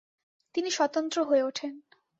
তিনি স্বতন্ত্র হয়ে ওঠেন।